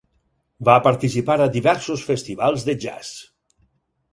Va participar a diversos festivals de jazz.